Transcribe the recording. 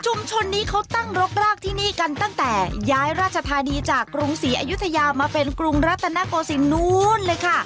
ชนนี้เขาตั้งรกรากที่นี่กันตั้งแต่ย้ายราชธานีจากกรุงศรีอยุธยามาเป็นกรุงรัตนโกศิลปนู้นเลยค่ะ